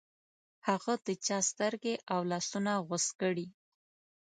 هغه د چا سترګې او لاسونه غوڅ کړې.